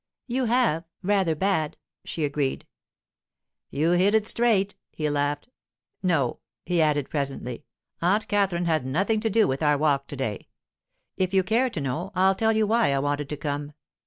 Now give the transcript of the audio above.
'You have—rather bad,' she agreed. 'You hit straight,' he laughed. 'No,' he added presently; 'Aunt Katherine had nothing to do with our walk to day. If you care to know, I'll tell you why I wanted to come.